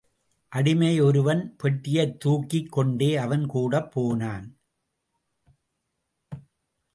அடிமையொருவன், பெட்டியைத் தூக்கிக் கொண்டு அவன் கூடப் போனான்.